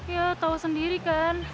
ya tau sendiri kan